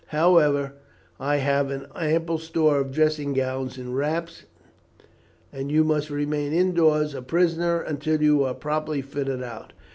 However, I have an ample store of dressing gowns and wraps, and you must remain indoors a prisoner until you are properly fitted out.